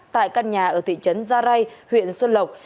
tại căn nhà ở thị trấn gia rai huyện xuân lộc